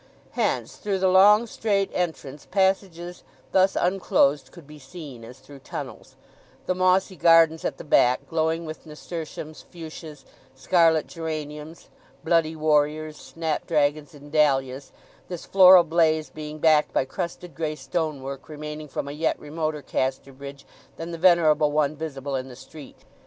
Hence, through the long, straight, entrance passages thus unclosed could be seen, as through tunnels, the mossy gardens at the back, glowing with nasturtiums, fuchsias, scarlet geraniums, "bloody warriors," snapdragons, and dahlias, this floral blaze being backed by crusted grey stone work remaining from a yet remoter Casterbridge than the venerable one visible in the street.